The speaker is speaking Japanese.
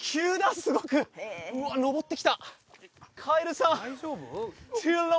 すごくうわっ登ってきたカイルさん